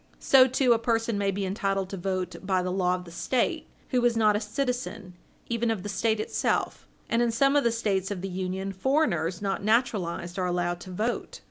So, too, a person may be entitled to vote by the law of the State, who is not a citizen even of the State itself. And in some of the States of the Union, foreigners not naturalized are allowed to vote.